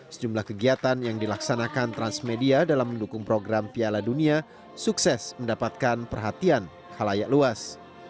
sejumlah kegiatan yang dilaksanakan transmedia dalam mendukung program piala dunia sukses mendapatkan perhatian halayak luas